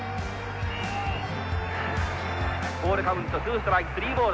ボールカウントツーストライクスリーボール。